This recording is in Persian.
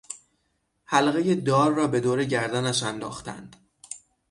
حلقهی دار را به دور گردنش انداختند.